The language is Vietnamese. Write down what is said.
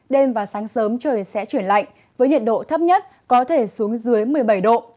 đêm và sáng sớm trời sẽ chuyển lạnh với nhiệt độ thấp nhất có thể xuống dưới một mươi bảy độ